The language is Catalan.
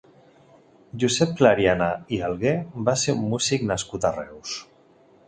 Josep Clariana i Alguer va ser un músic nascut a Reus.